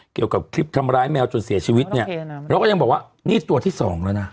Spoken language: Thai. เกี่ยวกับคลิปทำร้ายแมวจนเสียชีวิตเนี่ยเราก็ยังบอกว่านี่ตัวที่สองแล้วนะ